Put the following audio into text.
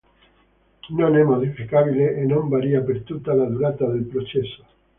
Non è modificabile e non varia per tutta la durata del processo.